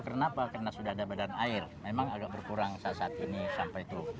kenapa karena sudah ada badan air memang agak berkurang saat saat ini sampah itu